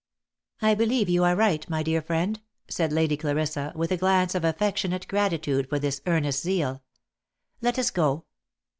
" I believe you are right, my dear friend," said Lady Clarissa, with a glance of affectionate gratitude for this earnest zeal. " Let us go.